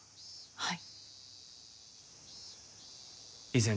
はい。